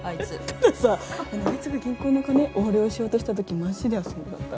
たださあのあいつが銀行の金横領しようとしたときマジで焦んなかった？